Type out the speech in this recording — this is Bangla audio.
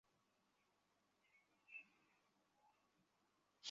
ওরা আমাদের কেন ঘৃণা করে, কিনাই?